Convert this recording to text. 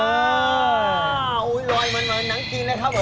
โอ้โหรอยเหมือนหนังจีนนะครับผม